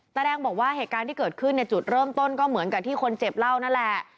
แดงบอกว่าเหตุการณ์ที่เกิดขึ้นเนี่ยจุดเริ่มต้นก็เหมือนกับที่คนเจ็บเล่านั่นแหละ